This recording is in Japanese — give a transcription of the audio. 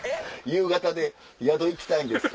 夕方で宿行きたいんです。